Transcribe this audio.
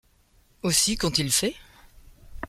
Aussi, qu’ont-ils fait ?